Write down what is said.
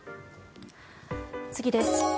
次です。